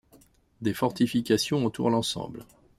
Des fortifications entourent l'ensemble.